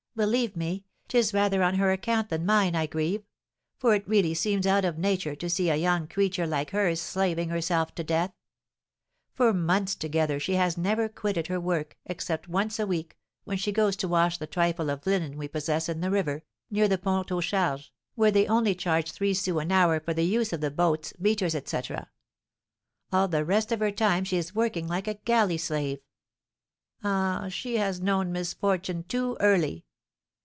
"Believe me, 'tis rather on her account than mine I grieve; for it really seems out of nature to see a young creature like her slaving herself to death. For months together she has never quitted her work, except once a week, when she goes to wash the trifle of linen we possess in the river, near the Pont au Charge, where they only charge three sous an hour for the use of the boats, beaters, etc. All the rest of her time she is working like a galley slave. Ah, she has known misfortune too early!